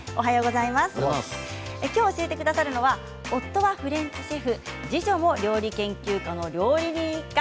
きょう教えてくださるのは夫はフレンチシェフ次女も料理研究家の料理人一家